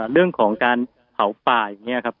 เรื่องของการเผาป่าอย่างนี้ครับ